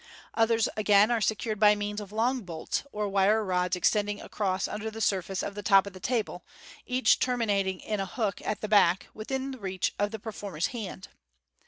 Others again are secured by means of long bolts, or wire rods extending across the under surface of the top of the table, each terminating in a hook at the back, within reach of the performer's hand.